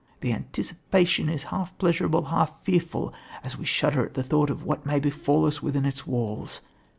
The anticipation is half pleasurable, half fearful, as we shudder at the thought of what may befall us within its walls.